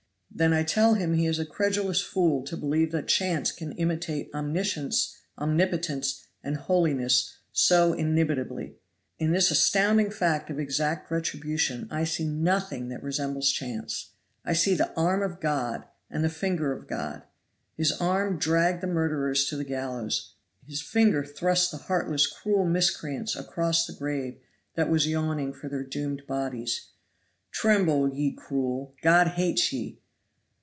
Then I tell him he is a credulous fool to believe that chance can imitate omniscience, omnipotence and holiness so inimitably. In this astounding fact of exact retribution I see nothing that resembles chance. I see the arm of God and the finger of God. His arm dragged the murderers to the gallows, His finger thrust the heartless, cruel miscreants across the grave that was yawning for their doomed bodies! Tremble, ye cruel, God hates ye!